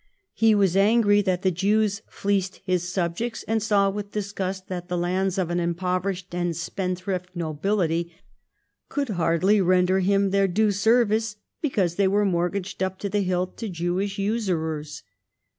He was angry that the Jews fleeced his subjects, and saw with disgust that the lands of an impoverished and spendthrift nobility could hardly render him their due service, because they were mortgaged up to the hilt to Jewish usurers.